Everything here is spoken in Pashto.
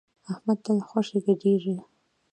احمد تل خوشی ګډېږي.